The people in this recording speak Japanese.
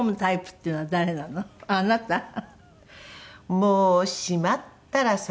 もうしまったら最後。